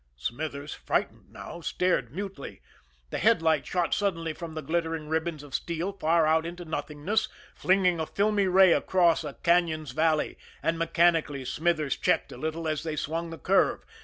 Smithers, frightened now, stared mutely. The headlight shot suddenly from the glittering ribbons of steel far out into nothingness, flinging a filmy ray across a cañon's valley, and mechanically Smithers checked a little as they swung the curve.